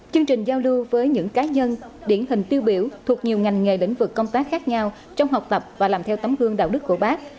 chương trình giao lưu với những cá nhân điển hình tiêu biểu thuộc nhiều ngành nghề lĩnh vực công tác khác nhau trong học tập và làm theo tấm gương đạo đức của bác